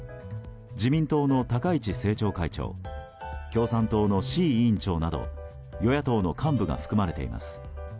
自民党の高市政調会長共産党の志位委員長など与野党の幹部が含まれています。